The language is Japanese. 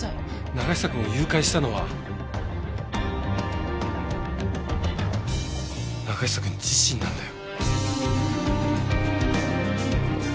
永久くんを誘拐したのは永久くん自身なんだよ。